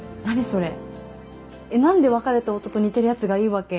それえっなんで別れた夫と似てるやつがいいわけ？